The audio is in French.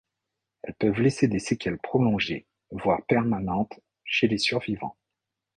Elle peuvent laisser des séquelles prolongées, voire permanentes, chez les survivants.